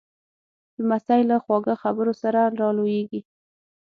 لمسی له خواږه خبرو سره را لویېږي.